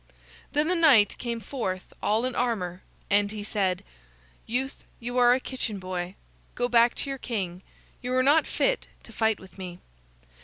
Then the knight came forth all in armor, and he said: "Youth, you are a kitchen boy. Go back to your king; you are not fit to fight with me."